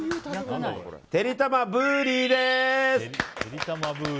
てりたまブーリーです。